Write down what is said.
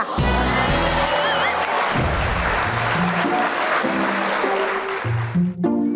ขอบคุณครับ